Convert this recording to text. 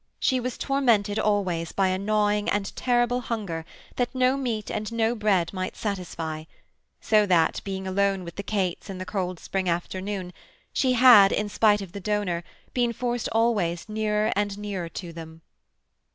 She was tormented always by a gnawing and terrible hunger that no meat and no bread might satisfy, so that, being alone with the cates in the cold spring afternoon, she had, in spite of the donor, been forced always nearer and nearer to them.